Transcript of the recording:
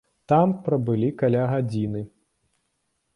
Там прабылі каля гадзіны.